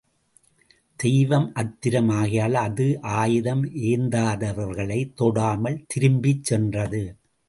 தெய்வ அத்திரம் ஆகையால் அது ஆயுதம் ஏந்தாதவர்களைத் தொடாமல் திரும்பிச் சென்றது.